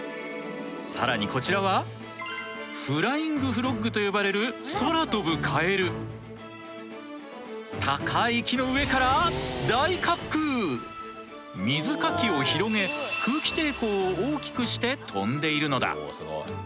更にこちらはフライング・フロッグと呼ばれる高い木の上から水かきを広げ空気抵抗を大きくして飛んでいるのだ。